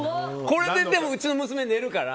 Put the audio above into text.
これで、でもうちの娘、寝るから。